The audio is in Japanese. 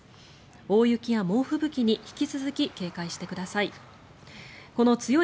大雪や猛吹雪に引き続き警戒してください。